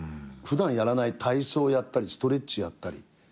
普段やらない体操やったりストレッチやったり。